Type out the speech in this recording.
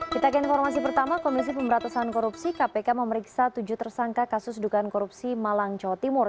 kita ke informasi pertama komisi pemberatasan korupsi kpk memeriksa tujuh tersangka kasus dugaan korupsi malang jawa timur